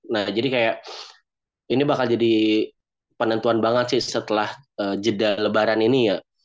nah jadi kayak ini bakal jadi penentuan banget sih setelah jeda lebaran ini ya